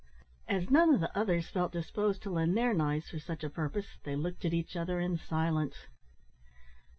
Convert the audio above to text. As none of the others felt disposed to lend their knives for such a purpose, they looked at each other in silence.